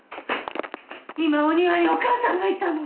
今お庭にお義母さんがいたの。